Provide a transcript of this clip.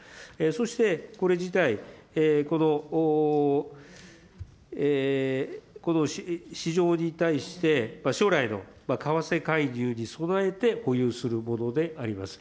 そしてこれ自体、この市場に対して、将来の為替介入に備えて、保有するものであります。